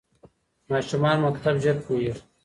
ماشومان مطلب ژر پوهېږي.